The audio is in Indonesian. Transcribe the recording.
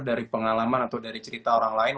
dari pengalaman atau dari cerita orang lain